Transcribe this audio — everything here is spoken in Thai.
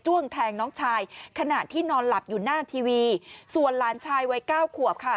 แทงน้องชายขณะที่นอนหลับอยู่หน้าทีวีส่วนหลานชายวัยเก้าขวบค่ะ